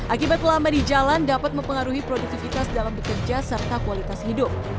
akibat lama di jalan dapat mempengaruhi produktivitas dalam bekerja serta kualitas hidup